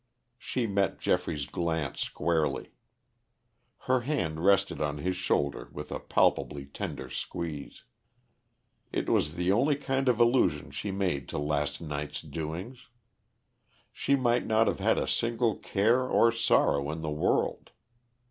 She met Geoffrey's glance squarely. Her hand rested on his shoulder with a palpably tender squeeze. It was the only kind of allusion she made to last night's doings. She might not have had a single care or sorrow in the world.